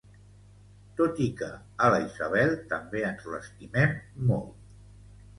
Tot i que a la Isabel també ens l'estimem molt